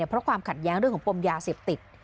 เพราะความขัดแย้งเรื่องของปมยาเสพติด